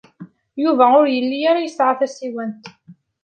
Yuba ur yelli ara yesɛa tasiwant.